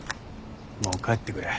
もう帰ってくれ。